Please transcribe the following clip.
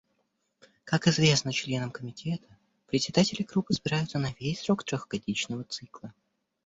Как известно членам Комитета, председатели групп избираются на весь срок трехгодичного цикла.